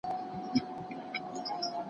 زه اوس مېوې وچوم،